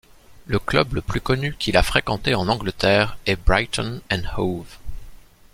Le club le plus connu qu'il a fréquenté en Angleterre est Brighton and Hove.